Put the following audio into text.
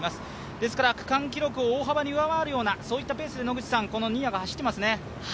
ですから区間記録を大幅に上回るようなペースで新谷が走ってますね。